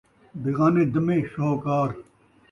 بغانیں دمیں شوہکار